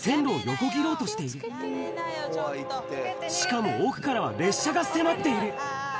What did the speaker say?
しかも奥からは列車が迫っている。